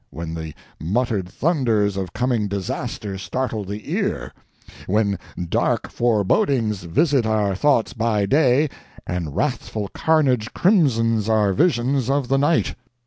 when the muttered thunders of coming disaster startle the ear! when dark forebodings visit our thoughts by day, and wrathful carnage crimsons our visions of the night!"